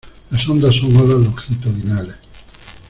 las ondas son olas longitudinales.